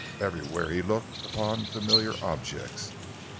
Everywhere he looked upon familiar objects.